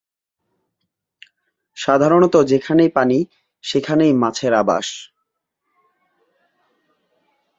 সাধারণত যেখানেই পানি, সেখানেই মাছের আবাস।